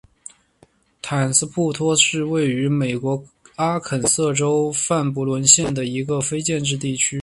斯坦普托是位于美国阿肯色州范布伦县的一个非建制地区。